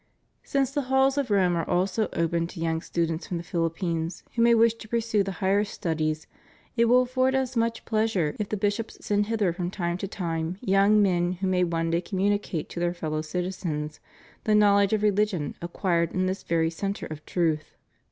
Since the halls of Rome also are open to young students from the Philippines who may wish to pursue the higher studies, it will afford Us much pleasure if the bishops send hither from time to time young men who may one day communicate to their fellow citizens the knowledge of religion acquired in this very centre of truth.